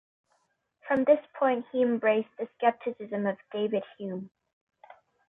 From this point he embraced the scepticism of David Hume.